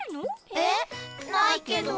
えっないけど。